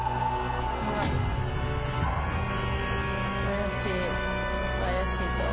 怪しいちょっと怪しいぞ。